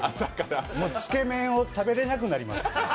つけ麺を食べれなくなります。